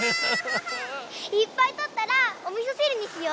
いっぱいとったらおみそしるにしよ。